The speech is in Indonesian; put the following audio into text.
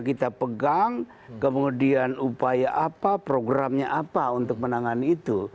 kita pegang kemudian upaya apa programnya apa untuk menangani itu